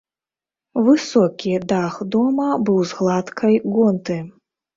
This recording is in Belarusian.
Высокі дах дома быў з гладкай гонты.